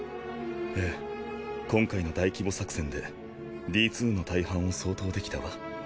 ええ今回の大規模作戦でＤ２の大半を掃討できたわ。